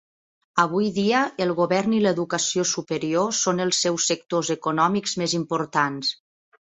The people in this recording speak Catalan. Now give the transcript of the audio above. Avui dia, el govern i l'educació superior són els seus sectors econòmics més importants.